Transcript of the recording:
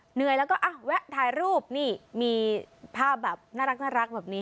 เหนื่อยแล้วก็อ่ะแวะถ่ายรูปนี่มีภาพแบบน่ารักแบบนี้